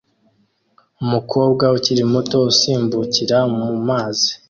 Umukobwa ukiri muto usimbukira mu mazi